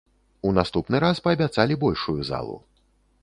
У наступны раз паабяцалі большую залу.